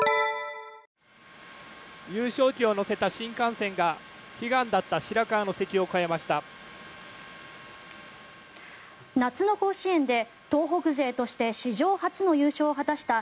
優勝旗を乗せた新幹線が悲願だった白河の関を越えました。